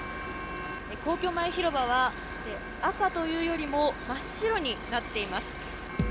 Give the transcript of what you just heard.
皇居前広場は、赤というよりも真っ白になっています。